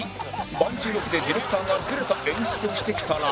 バンジーロケでディレクターがズレた演出をしてきたら